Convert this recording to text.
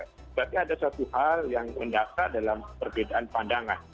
berarti ada satu hal yang mendasar dalam perbedaan pandangan